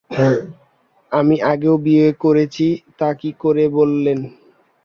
আমি আগেও বিয়ে করেছি, তা কী করে বললেন?